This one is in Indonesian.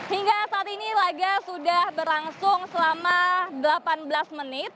hingga saat ini laga sudah berlangsung selama delapan belas menit